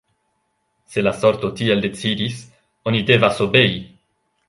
Se la sorto tiel decidis, oni devas obei!